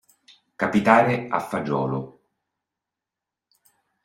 Capitare a fagiolo.